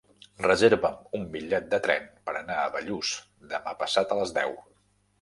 Reserva'm un bitllet de tren per anar a Bellús demà passat a les deu.